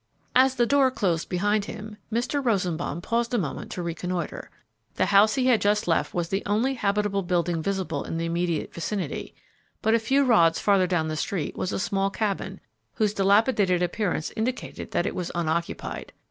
As the door closed behind him, Mr. Rosenbaum paused a moment to reconnoitre. The house he had just left was the only habitable building visible in the immediate vicinity, but a few rods farther down the street was a small cabin, whose dilapidated appearance indicated that it was unoccupied.